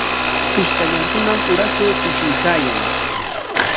Ishkallankunam uratraw tushuykaayan.